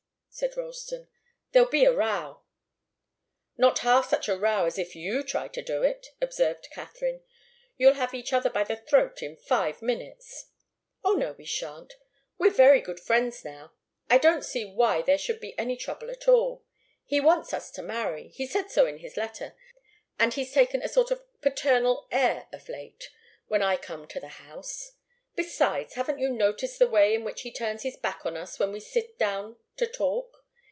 said Ralston. "There'll be a row." "Not half such a row as if you try to do it," observed Katharine. "You'll have each other by the throat in five minutes." "Oh, no, we shan't. We're very good friends now. I don't see why there should be any trouble at all. He wants us to marry. He said so in his letter, and he's taken a sort of paternal air of late, when I come to the house. Besides, haven't you noticed the way in which he turns his back on us when we sit down to talk?